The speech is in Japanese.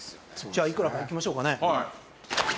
じゃあいくらかいきましょうかね。